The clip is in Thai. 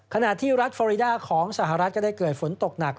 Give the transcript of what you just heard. ขณะที่รัฐฟอริดาของสหรัฐก็ได้เกิดฝนตกหนัก